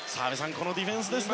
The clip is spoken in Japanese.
このディフェンスですね。